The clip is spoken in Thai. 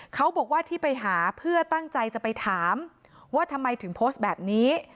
เขาบอกว่าที่ไปหาเพื่อตั้งใจจะไปถามว่าทำไมถึงโพสต์แบบนี้